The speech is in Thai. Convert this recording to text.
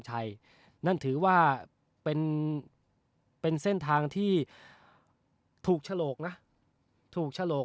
นั่นถือว่าเป็นเส้นทางที่ถูกฉลกนะถูกฉลก